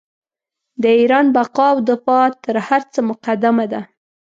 د ایران بقا او دفاع تر هر څه مقدمه ده.